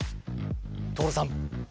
所さん！